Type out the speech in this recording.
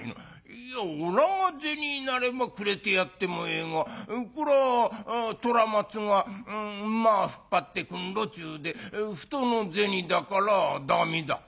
「いやおらが銭なればくれてやってもええがこら虎松が馬引っ張ってくんろちゅうて人の銭だからだめだ」。